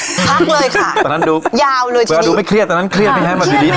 ตอนนั้นดูยาวเลยตอนนั้นดูไม่เครียดตอนนั้นเครียดไปไงแบบอยู่นี้